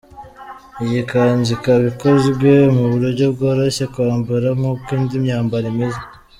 Iyi kanzu ikaba ikozwe mu buryo bworoshye kwambara nk’uko indi myambaro imeze.